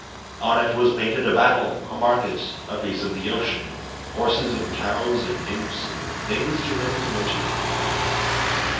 On it was painted a battle, a market, a piece of the ocean, Horses and cows and nymphs and things too many to mention.